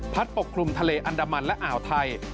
ปกคลุมทะเลอันดามันและอ่าวไทย